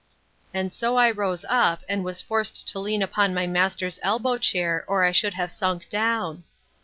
—And so I rose up, and was forced to lean upon my master's elbow chair, or I should have sunk down.